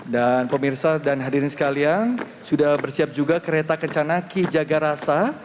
dan pemirsa dan hadirin sekalian sudah bersiap juga kereta kecanaki jagarasa